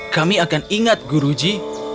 kami akan ingat guruji